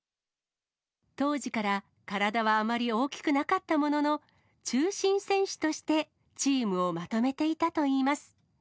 当時から体はあまり大きくなかったものの、中心選手としてチームをまとめていたといいます。